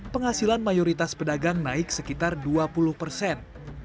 penghasilan mayoritas pedagang naik sekitar dua puluh persen